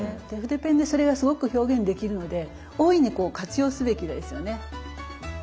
で筆ペンでそれがすごく表現できるので大いに活用すべきですよね。